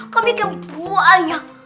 komik yang banyak